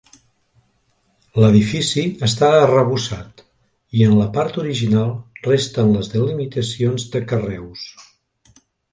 L'edifici està arrebossat, i en la part original resten les delimitacions de carreus.